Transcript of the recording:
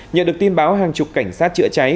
nhận được tin báo hàng chục cảnh sát chữa cháy